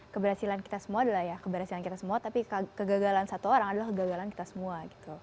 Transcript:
keberhasilan kita semua adalah ya keberhasilan kita semua tapi kegagalan satu orang adalah kegagalan kita semua gitu